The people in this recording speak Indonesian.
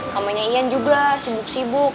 kampanye ian juga sibuk sibuk